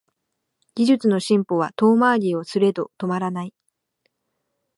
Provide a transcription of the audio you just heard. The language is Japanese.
技術の進歩は遠回りはすれど止まらない